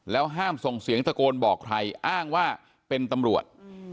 ห้ามส่งเสียงตะโกนบอกใครอ้างว่าเป็นตำรวจ